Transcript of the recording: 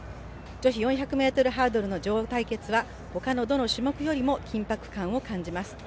女子４００ｍハードルの女王対決は他の、どの種目よりも緊迫感を感じます。